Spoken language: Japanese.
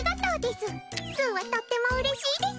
すうはとってもうれしいです。